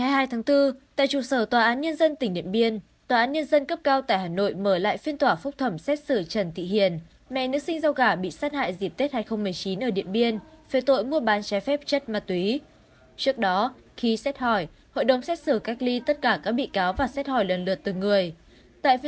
hãy đăng ký kênh để ủng hộ kênh của chúng mình nhé